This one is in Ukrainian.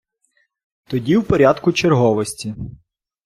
Тоді в порядку черговості.